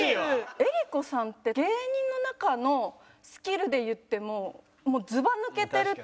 江里子さんって芸人の中のスキルでいってももうずば抜けてるというか。